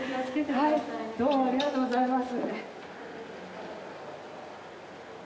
はいどうもありがとうございます